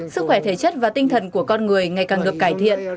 sức khỏe thể chất và tinh thần của con người ngày càng được cải thiện